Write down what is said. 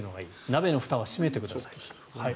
鍋のふたは閉めてください。